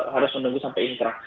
harus menunggu sampai inkrah